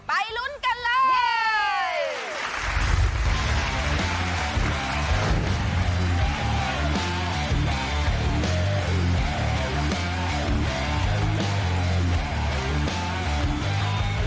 ไปลุ้นกันเลย